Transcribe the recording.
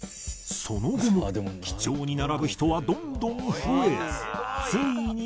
その後も記帳に並ぶ人はどんどん増えついに